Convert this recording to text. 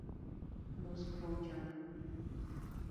Mos kuom chandruok